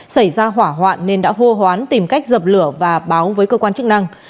xảy ra hỏa hoạn nên đã hô hoán tìm cách dập lửa và báo với cơ quan chức năng